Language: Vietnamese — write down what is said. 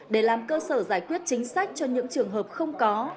để làm cơ sở giải quyết chính sách cho những trường hợp không có